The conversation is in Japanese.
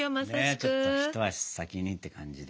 ちょっと一足先にって感じで。